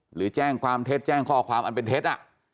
หรือแจ้งความเท็จแจ้งข้อความอันเป็นเท็จ